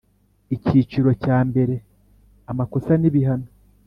Icyiciro cya mbere Amakosa n ibihano